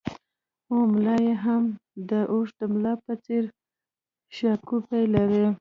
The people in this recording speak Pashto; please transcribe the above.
او ملا یې هم د اوښ د ملا په څېر شاکوپي لري